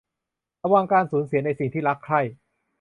ระวังการสูญเสียในสิ่งที่รักใคร่